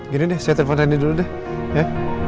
gini deh saya telepon handi dulu deh ya